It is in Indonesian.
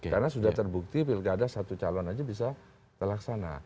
karena sudah terbukti pilkada satu calon saja bisa dilaksanakan